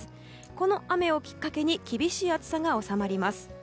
この雨をきっかけに厳しい暑さが収まります。